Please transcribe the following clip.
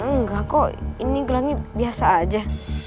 enggak kok ini gelangnya biasa aja